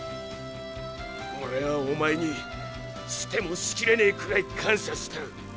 オレはおまえにしてもしきれねェくらい感謝してる。